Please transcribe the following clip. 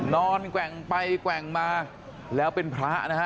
แกว่งไปแกว่งมาแล้วเป็นพระนะฮะ